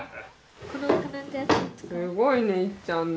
すごいねいっちゃんの。